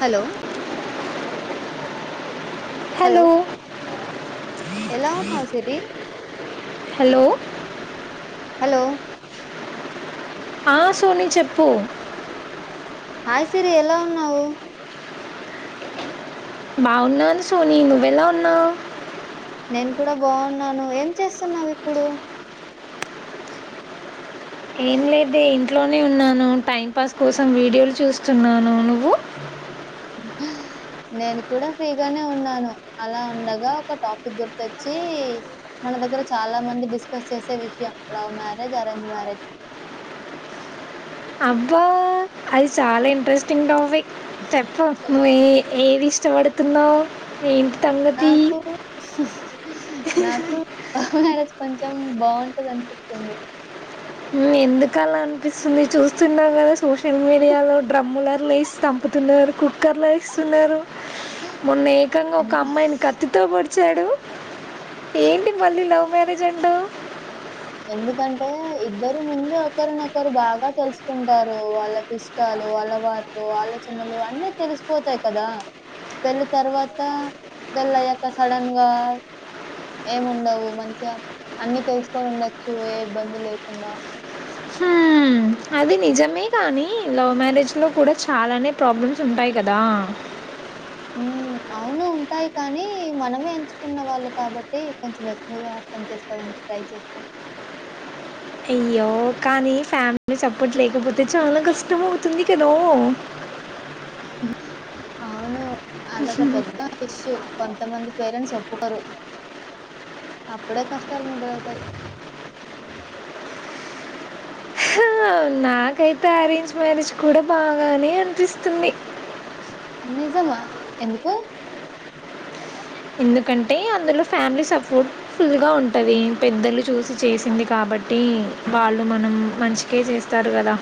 Hello. Hello. ఎలా ఉన్నావ్ Siri. Hello. Hello. ఆహ్ సోని చెప్పు. హాయ్ సిరి ఎలా ఉన్నావు. బాగున్నాను సోనీ నువ్వెలా ఉన్నావ్. నేను కూడా బాగున్నాను. ఏం చేస్తున్నావు ఇప్పుడు. ఏం లేదే ఇంట్లోనే ఉన్నాను. టైం పాస్ కోసం వీడియోలు చూస్తున్నాను నువ్వు. ఆహ్. నేను కూడా ఫ్రీగానే ఉన్నాను. అలా ఉండగా ఒక టాపిక్ గుర్తొచ్చి. మన దగ్గర చాలా మంది డిస్కస్ చేసే విషయం లవ్ మ్యారేజ్ అరేంజ్ మ్యారేజ్. [inaudible] అబ్బో అది చాలా ఇంట్రెస్టింగ్ టాఫిక్. చెప్పు నువ్వు ఏ ఏవి ఇష్టపడ్తునవ్. నాకు ఉమ్ నాకు ఆహ్ లవ్ మ్యారేజ్. ఉమ్ బాగుంటది అనిపిస్తుంది. ఎందుకు అలా అనిపిస్తుంది చూస్తున్నావు కదా సోషల్ మీడియాలో డ్రమ్ములర్లేసీ సంపు. తున్నారు కుక్కర్లో ఎస్తున్నారు. మొన్న ఏకంగా ఎన్ ఒక అమ్మాయిని కత్తితో పొడిచాడు. చ్చాడు ఏంటి మళ్ళీ లవ్ మ్యారేజ్ అంటావ్. ఎందుకంటే ఇద్దరు ముందే ఒకరినొకరు బాగా తెలుసుకుంటారు వాళ్ళకి ఇష్టాలు. అలవాట్లు ఆలోచనలు అన్నీ తెలిసిపోతాయి కదా. పెళ్లి తర్వాత పెళ్ళాయ్యాక సడన్ గా. ఏమిండవు మంచిగా అన్ని తెలుసుకొని ఉండచ్చు ఏ ఇబ్బంది లేకుండా. హ్మ్. అది నిజమే కానీ లవ్ మ్యారేజ్లో కూడా చాలానే ప్రాబ్లమ్స్ ఉంటాయి కదా. ఉమ్ అవును ఉంటాయి కానీ మనమే ఎంచుకున్న వాళ్ళుం కాబట్టి కొంచెం ఎక్కువగా. అర్థం చేసుకోవడానికి ట్రై చేస్తాం. అయ్యో కానీ ఫ్యామిలీ సపోర్ట్ లేకపోతే చాలా కష్టం అవుతుంది కదా. [inaudible] అవును అదొక పెద్ద ఇష్యూ కొంతమంది పేరెంట్స్ చెప్పుకోరు. అప్పుడే కష్టాలు మొదలవుతాయి. ఓ కు నాకైతే అరేంజ్ మ్యారేజ్ కూడ బాగానే అనిపిస్తుంది. నిజమా! ఎందుకు? ఎందుకంటే అందులో ఫ్యామిలీ సపోర్ట్ ఫుల్ గా ఉంటది పెద్దలు చూసి చేసింది కాబట్టి. వాళ్ళు మనం మంచికే చేస్తారు కదా.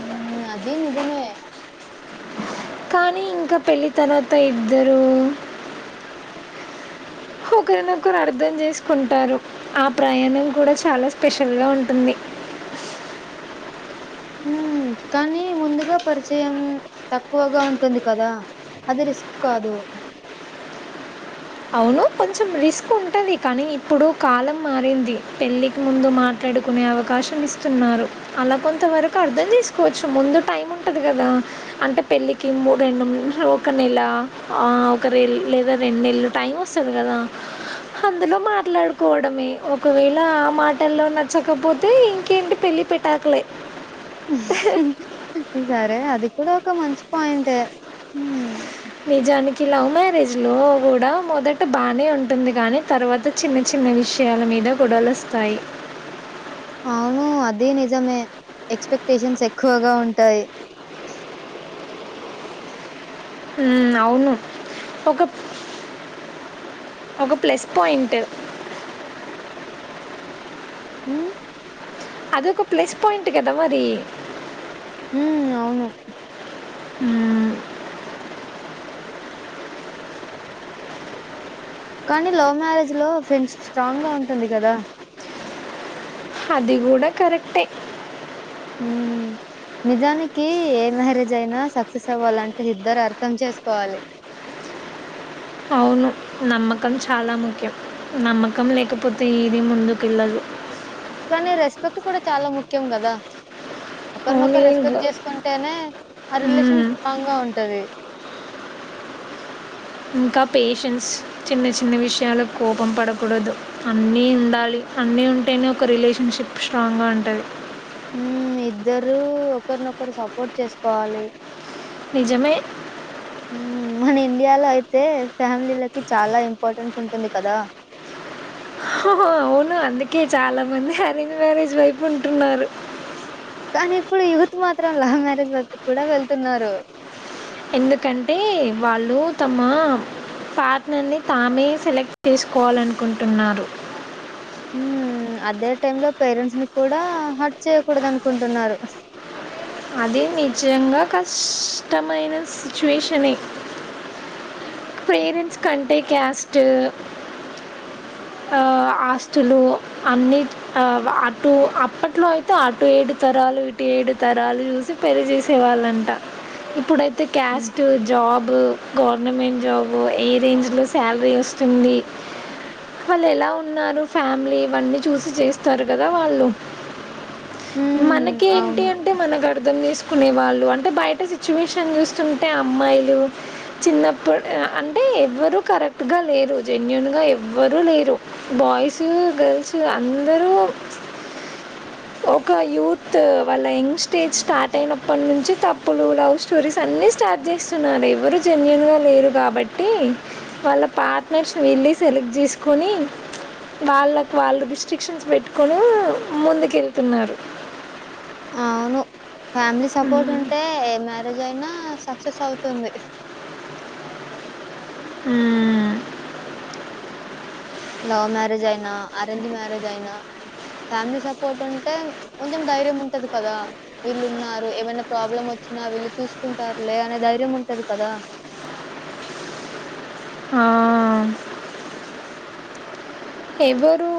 మ్మ్ అది నిజమే. కానీ ఇంకా పెళ్లి తర్వాత ఇద్దరూ ఒకరినొకరు అ ర్థం చేసుకుంటారు ఆ ప్రయాణం కూడా చాలా స్పెషల్గా ఉంటుంది. [inaudible] మ్మ్ కానీ ముందుగా పరిచయం తక్కువగా ఉంటుంది కదా. అది రిస్క్ కాదు. అవును కొంచెం రిస్ కు ఉంటది కానీ ఇప్పుడు కాలం మారింది పెళ్ళికి ముందు మాట్లాడుకునే అవకాశం ఇస్తుం న్నారు అలా కొంత వరకు అర్థం చేసుకోవచ్చు, ముందు టైం ఉంటది కదా అంటే పెళ్లికి మూ రెండు, మూడు ఒక నెల ఆ ఒక రె లేదా రెండు నెల్లు టైం వస్తది కదా. అందులో మాట్లాడుకోవడమే ఒకవేళ ఆ మాటల్లో నచ్చకపోతే ఇంకేంటి పెళ్లి పెటాకులే సరే అది కూడా ఒక మంచి పాయింటే మ్ఁ నిజానికి లవ్ మ్యారేజ్ లో కూడ మొదట బానే ఉంటుంది కాని తర్వాత చిన్న చి న్న విషయాల మీద గొడలొస్తాయి. [inaudible] అవును అదే నిజమే ఎక్స్పెక్టేషన్స్ ఎక్కువగా ఉంటాయి. మ్మ్ అవును. ఒక ఒక ప్లస్ పాయింట్ మ్ఁ అదొక ప్లేస్ పాయింట్ కదా మరీ. హ్మ్ అవును. హ్మ్ కానీ లవ్ మ్యారేజ్ లో ఫ్రెండ్షిప్ స్ట్రాంగ్ గా ఉంటుంది కదా. అది కూడ కరెక్టే! హ్మ్ నిజానికి ఏ మ్యారేజ్ అయినా సక్సెస్ అవ్వాలంటే ఇద్దరు అర్థం చేసుకోవాలి. [inaudible] అవును నమ్మకం చాలా ముఖ్యం. నమ్మకం లేకపోతే ఈది ముందుకి ఎళ్లదు. కానీ రెస్పెక్ట్ కూడా చాలా ముఖ్యం కదా. అవునే ఒకరినొకరు ఇంగ రెస్పెక్ట్ చేసుకుంటేనే ఆ రిలేషన్ హ్మ్. స్ట్రాంగ్ గా ఉంటది [inaudible] ఇంకా పేషెన్స్ చిన్న చిన్న విషయాలకు కోపం పడకూడదు అన్నీ ఉండాలి. అన్నీ ఉంటేనే ఒక రిలేషన్ షిప్ స్ట్రాంగ్గా ఉంటది. హ్మూ ఇద్దరు ఒకరినొకరు సపోర్ట్ చేసుకోవాలి. నిజమే. హ్మూ మన ఇండియాలో అయితే ఫ్యామిలీలకి చాలా ఇంపార్టెన్స్ ఉంటుంది కదా. అవును అందుకే చాలా మంది అరేంజ్ మ్యారేజ్ వైపు ఉంటున్నారు. కానీ ఇప్పుడు యూత్ మాత్రం లవ్ మ్యారేజ్ వైపు కూడా వెళ్తున్నారు. ఎందుకంటే వాళ్ళు తమా పార్ట్నర్ ని తామే సెలెక్ట్ చేసుకోవాలనుకుంటున్నారు హ అదే టైమ్ లో పేరెంట్స్ ని కూడా హట్ చేయకూడద అనుకుంటున్నారు అది నిజంగా కష్టమైన సిచ్యువేషనే పేరెంట్స్ కంటే క్యాస్ట్ ఆ ఆస్తులు అన్ని అటు అప్పట్లో అయితే అటు ఏడు తరాలు ఇటు ఏడు తరాలు చూసి పెళ్లి చేసేవాళ్ళంట ఇప్పుడైతే హ్మ్. క్యాస్ట్ జాబు గవర్నమెంట్ జాబు ఏ రేంజ్ శాలరీ వస్తుంది వాళ్ళు ఎలా ఉన్నారు ఫ్యామిలీ ఇవన్నీ చూసి చేస్తారు కదా వాళ్ళు హ్మ్. మనకి ఏంటి అవును. అంటే మనకు అర్థం తీసు కునే వాళ్ళు అంటే బయట సిచ్యువేషన్ చూస్తుంటే అమ్మాయిలు చిన్నప్పుడు అంటే ఎవరుూ కరెక్ట్ గా లేరు జెన్యుూన్ గా ఎవ ఎవ్వరూ లేరు బాయ్స్ గర్ల్స్ అందరూ [inaudible] ఒక యూత్ వాళ్ళ యంగ్ స్టేజ్ స్టార్ట్ అయినప్పటి నుంచి తప్పులు లవ్ స్టోరీస్ అన్నిీ స్టార్ట్ చేస్తున్నారు ఎవరు జెన్యుూన్ గా లేరు కాబట్టి వాళ్ళ పార్ట్నర్స్ వెళ్ళి సెలెక్ట్ చేసుకొని వాళ్ళకు వాళ్ళు రిస్ట్రిక్షన్స్ పెట్టుకొని ముందుకు వెళ్తున్నారు అవును ఫ్యామిలీ సపోర్ట్ ఉంటే మ హే మ్యారేజ్ అయినా సక్సెస్ అవుతుంది హ లవ్ మ్యారేజ్ అయినా అరేంజ్ మ్యారేజ్ అయినా ఫ్యామిలీ సపోర్ట్ ఉంటే కొంచెం ధైర్యం ఉంటది కదా వీళ్ళు ఉన్నారు ఏమైనా ప్రాబ్లమ్ వ వచి నా వీళ్ళు చూసుకుంటారులే అనే ధైర్యం ఉంటది కదా ఆ ఎవరు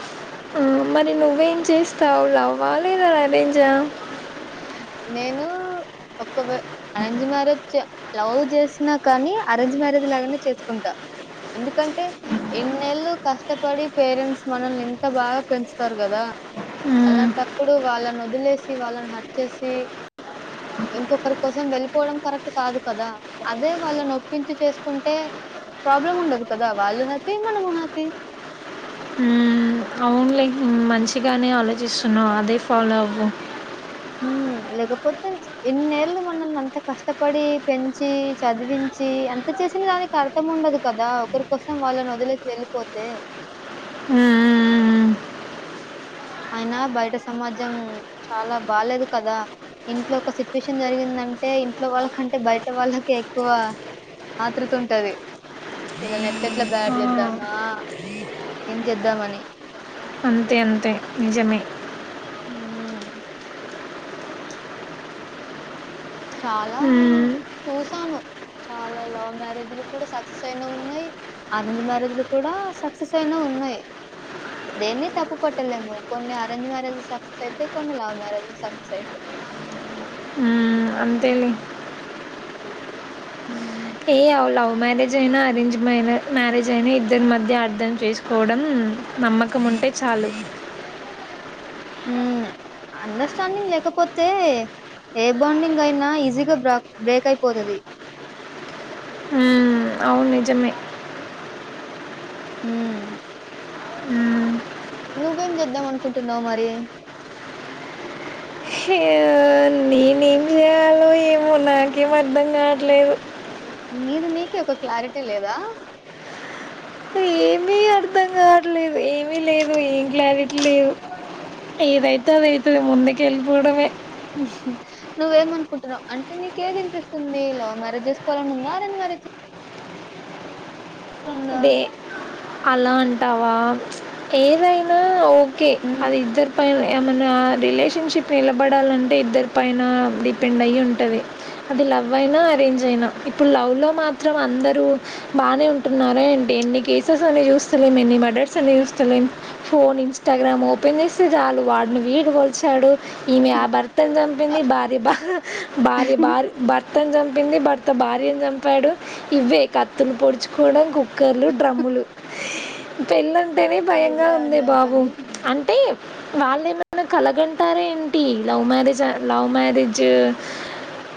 ఆ ఆ మరి నువ్వేం చేస్తావు లవ లేదా ఎరేంజ్ అ నేను ఒక అరేంజ్ మ్యారేజ్ లవ్ చేసినా కానీ అరేంజ్ మ్యారేజ్ లాగానే చేసుకుంటా ఎందుకంటే ఎన్నెలలు కష్టపడి పేరెంట్స్ మనల్ని ఇంత బాగా పెంచుతారు కదా మ్మ్, అల్లాంటప్పుడు వాళ్ళను వదిలేసి వాళ్ళని హట్ చేసి ఇంకొకరి కోసం వెళ్ళిపోవడం కరెక్ట్ కాదు కదా అదే వాళ్ళని ఒప్పించి చేసుకుంటే ప్రాబ్లం ఉండదు కదా వాళ్ళు హ్యాపీ మనము హ్యాపీ ఉమ్మ్ అవును లె మంచిగానే ఆలోచిస్తున్నావు అదే ఫాలో అవు ఉమ్ లేకపోతే ఇన్నిళ్లు మనల్ని అంత కష్టపడి పెంచి చదివించి అంత చేసి విన దానికి అర్థం ఉండదు కదా ఒకరి కోసం వాళ్ళని వదిలేకి వెళ్ళిపోతే ఊ అయినా బయట సమాజం చాలా బాలేేదు కదా ఇంట్లో ఒక సిచ్యువేషన్ జరిగిందంటే ఇంట్లో వాళ్ళకంటే బయట వాళ్ళకి ఎక్కువ ఆత్రుత ఉంటది వీళ్ళ నేట్లాట్లా బ్యాడ్ ఆ, చేద్దామా ఏం చేద్దామని అంతే అంతే నిజమే ఉమ్ చాలా మ్మ్. చూసాను చాలా లవ్ మ్యారేజ్ కూడా సక్సెస్ అయినా ఉన్నాయి అరేంజ్ మ్యారేజ్లు కూడా సక్సెస్ అయినా ఉన్నాయి దేన్ని తప్పు పట్టలేమో కొన్ని అరేంజ్ మ్యారేజ్స్ సక్సెస్ అయితేయి కొన్ని లవ్ మ్యారేజ్స్ సక్సెస్ అయితాయి ఊ అంతేలే ఏ అవులావు మ్యారేజ్ అయినా అరేంజ్ మ్యారేజ్ అయినా ఇద్దరి మధ్య అర్థం చేసుకోవడం నమ్మకం ఉ అంటే చాలు హ అండర్స్టాండింగ్ లేకపోతే ఏ బాండింగ్ అయినా ఈజీగా బ బ్రేక్ అయిపోతుది మ్మ్. అవును నిజమే హ మ్మ్. నువ్వేం చూడం అనుకుంటున్నావ్ మరి నేనేం చేయాలో ఏమో నాకేం అర్ధం కావట్లేదు నీది నీక ఒక క్లారిటీ లేదా ఏమి అర్థం కావటలేదు ఏమి లేదు ఏం క్లారిటీ లేదు ఏదైతే అదైతుంది ముందుకి వెళ్ళిపోవడమే నువ్వేమ అనుకుంటున్నావు అంటే నీక ఏది ఇంట్రెస్ట్ ఉంది లవ్ మ్యారేజ్ చేసుకోవాలని ఉందా అ దే అలా అంటావా ఏదైనా ఓ ఓకే అది ఇద్దరు పైన ఏమనా రిలేషన్షిప్ నిలబడాలంటే ఇద్దరి పైన డిపెండ్ అయ్యి ఉంటుంది అది లవ్ అయినా అరేంజ్ అయినా ఇప్పుడు లవ్ లో మాత్రం అందరూ బాగానే ఉంటు న్నారా అంటే ఎన్ని కేసెస్ అని చూస్తలేం ఎన్ని మర్డర్స్ అని చూస్తలేం ఫోన్ ఇన్స్టాగ్రామ్ ఓపెన్ స్తే చాలు వాడిని వీడి పొడిచాడు ఈమె ఆ భర్తను చంపింది భార్య భ భార్య భార్య భర్తని చంపింది భర్త భార్యని చంపాడు ఇవే కత్తులు పొడుచు కొడం కుక్కర్లు డ్రమ్ములు పెళ్ళంటేనే భయంగా ఇవే ఉంది ఉన్నా బాబు కానీ అంటే వాళ్ళు ఏమైనా కలగంటారే ఏంటి లవ్ మ్యారేజ్ లవ్ మ్యారేజ్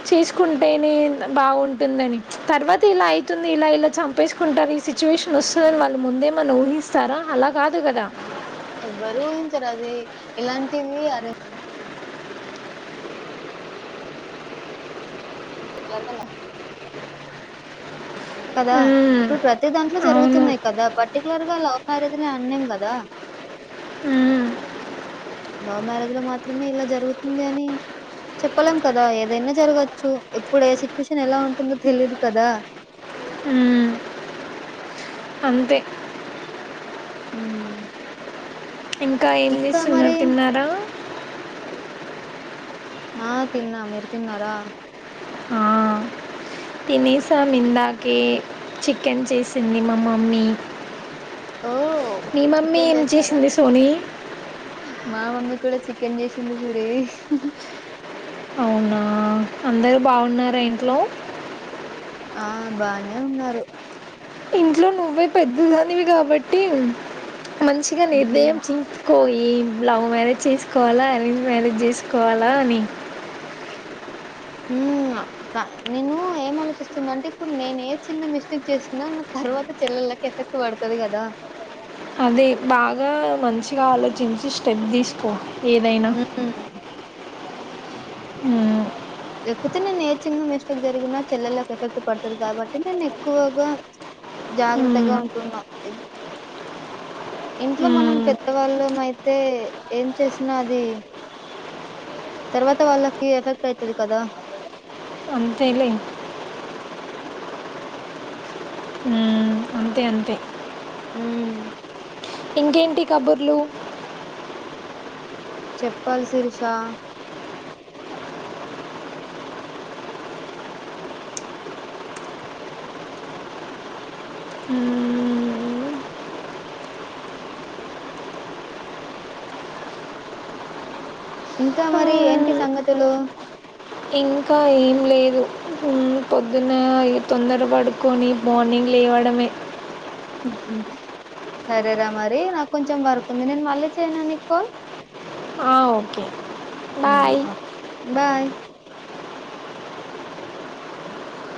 చేసుకుంటేనే బాగుంటుందని తర్వాత ఇలా అవుతుంది ఇలా ఇలా చం చెప్పేసుకుంటారు ఈ సిచ్యువేషన్ వస్తుందని వాళ్ళు ముందేమన ఊహిస్తారా అలా కాదు కదా ఎవ్వరు ఊ ఇంతరు అది ఇలాంటివి అర [inaudible] కదా హ్మ్. ఇప్పుడు ప్రతి దాంట్లో అవును. జరుగుతున్నాయి కదా బట్ పర్టిలర్గా లవ్ మ్యారేజ్ నీ అనలేం కదా హ్మ్. లవ్ మ్యారేజ్ లో మాత్రమే ఇలా జరుగుతుంది అని చెప్పలేం కదా ఏదైనా జరగచ్చు ఎప్పుడ ఏ సిచ్యువేషన్ ఎలా ఉంటుందో తెలీయదు కదా హ్మ్. అంతే ఆ ఇంకా ఏం చేస్తుంనారు తిన్నారా ఆ తిన్నా మీరు తిన్నారా ఆ తినసా ఇందాకే చికెన్ చేసింది మా మమ్మీ ఓ మీ మమ్మీ చికెన్ ఏం చేసారా చేసింది సోని? మా మమ్మీ కూడా చికెన్ చేసింది హోరీ అవునా అందరూ బాగున్నారా ఇంట్లో ఆ బానే ఉన్నారు ఇంట్లో నువ్వే పెద్దదానివి కాబట్టి మంచిగా నిర్ణయం హ్మ్. తీంచుకోయి లవ్ మ్యారేజ్ చేసుకోవాలా అరేంజ్ మ్యారేజ్ చేసుకోల కోవాల అని హ ఉ ఆ త నేను ఏం ఆలోచిస్తున్నా అంటే ఇప్పుడు నేను ఏ చిన్న మిస్టేక్ చేసిన నా తరువాత చెల్లలు వాళ్ళకు ఎఫెక్ట్ వడుతది కదా అదే బాగా మంచిగా ఆలోచించి స్టెప్ తీసుకో ఏదైనా హ్మ్. ఉ లేకపోతే నేను ఏ చిన్న మిస్టేక్ జరిగినా చెల్లెలకు ఎఫెక్ట్ పడుతది కాబట్టి నేను ఎక్కువగా జాగ్రత్తగా మ్మ్. ఉంటున్నా ఈద్ ఇంట్లో మనం మ్మ్. పెద్దవాళ్ళమ్ అయితే ఏం చేసినా అది తర్వాత వాళ్ళకి ఎఫెక్ట్ అయితది కదా అంతే లే ఉ అంతే అంతే ఉమ్ ఇంకేంటి కబుర్లు చెప్పాలి శిరిషా మ్మ్. డాకల్ ఇంకా మరి ఏంటి మ్మ్. సంగతులు ఇంకా ఏం లేదు ఉహు పొద్దున ఇగ తొందర పడుకొని మార్నింగ్ లేవడమే ఉహు సరేరా మరి నాకు కొంచెం వర్కు ఉంది నేను మళ్ళీ చేయనా నీకు కాల్ హ ఓకే బాయ్ బాయ్